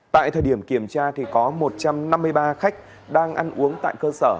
tại thời điểm kiểm tra thì có một trăm năm mươi ba khách đang ăn uống tại cơ sở